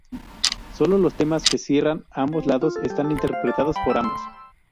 Sólo los temas que cierran ambos lados están interpretados por ambos.